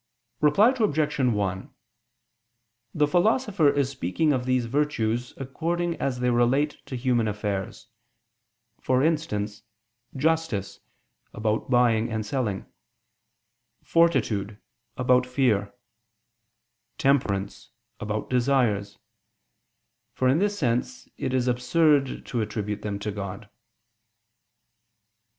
Reply Obj. 1: The Philosopher is speaking of these virtues according as they relate to human affairs; for instance, justice, about buying and selling; fortitude, about fear; temperance, about desires; for in this sense it is absurd to attribute them to God.